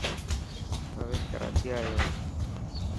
پويش ڪراچي آيو هي.